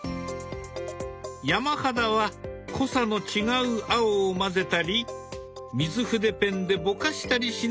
山肌は濃さの違う青を混ぜたり水筆ペンでぼかしたりしながら描く。